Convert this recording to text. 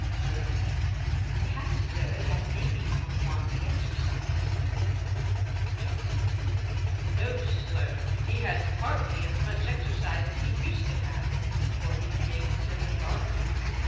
BURNEY. 'Perhaps, Sir, that may be from want of exercise.' JOHNSON. 'No, Sir; he has partly as much exercise as he used to have, for he digs in the garden.